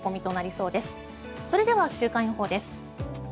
それでは週間予報です。